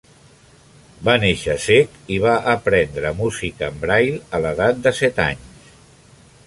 Va néixer sec i va aprendre música en Braille a l'edat de set anys.